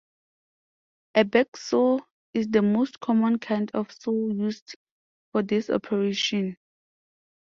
A backsaw is the most common kind of saw used for this operation.